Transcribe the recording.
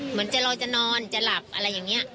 เหมือนจะลอยจะนอนจะหลับอะไรอย่างนี้